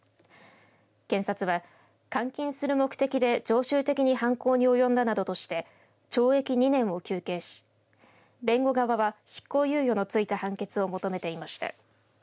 検察は、換金する目的で常習的に犯行に及んだなどとして懲役２年を求刑し、弁護側は執行猶予のついた判決を求めていました。